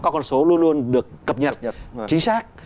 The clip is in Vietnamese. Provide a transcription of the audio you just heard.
các con số luôn luôn được cập nhật chính xác